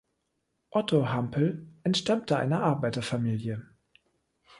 Otto Hampel entstammte einer Arbeiterfamilie.